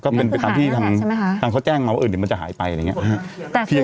ก็เป็นตามที่ทำตามเขาแจ้งมาว่าเดี๋ยวมันจะหายไปอะไรเงี้ย